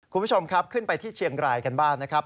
คุณผู้ชมครับขึ้นไปที่เชียงรายกันบ้างนะครับ